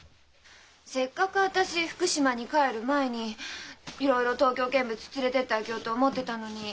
せっかく私福島に帰る前にいろいろ東京見物連れてってあげようと思ってたのに。